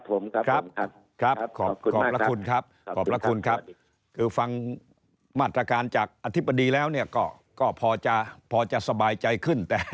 ครับผมครับผมครับขอบคุณมากครับขอบคุณครับคือฟังมาตรการจากอธิบดีแล้วเนี่ยก็พอจะสบายใจขึ้น